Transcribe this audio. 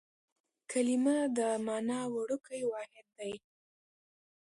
کلیمه د مانا وړوکی واحد دئ.